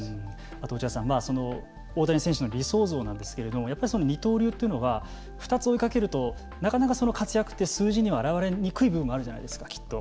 あと落合さん大谷選手の理想像なんですけれどやっぱり二刀流というのが２つ追いかけるとなかなか活躍って数字には表れにくい部分があるじゃないですかきっと。